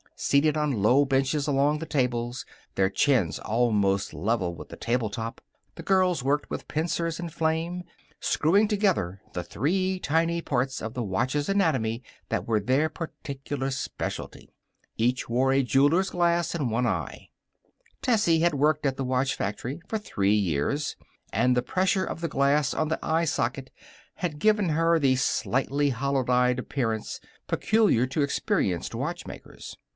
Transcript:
Seated on low benches along the tables, their chins almost level with the table top, the girls worked with pincers and flame, screwing together the three tiny parts of the watch's anatomy that were their particular specialty. Each wore a jeweler's glass in one eye. Tessie had worked at the watch factory for three years, and the pressure of the glass on the eye socket had given her the slightly hollow eyed appearance peculiar to experienced watchmakers.